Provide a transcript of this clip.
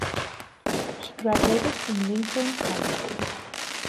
She graduated from Lincoln High School.